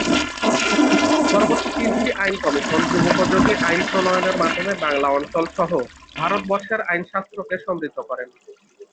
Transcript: পরবর্তী তিনটি আইন কমিশন যুগোপযোগী আইন প্রণয়নের মাধ্যমে বাংলা অঞ্চলসহ ভারতবর্ষের আইনশাস্ত্রকে সমৃদ্ধ করেন।